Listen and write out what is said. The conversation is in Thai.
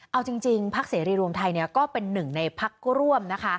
เอาจริงพรรคเสรีรวมไทยเนี่ยก็เป็นหนึ่งในพรรคร่วม